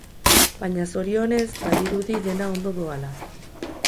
Baina, zorionez, badirudi dena ondo doala.